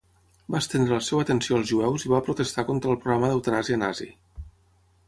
Va estendre la seva atenció als jueus i va protestar contra el programa d'eutanàsia nazi.